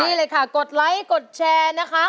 นี่เลยค่ะกดไลค์กดแชร์นะคะ